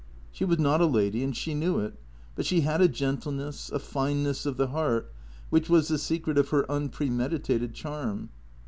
She was not a lady and she knew it ; but she had a gentleness, a fineness of the heart which was the secret of her unpremeditated charm.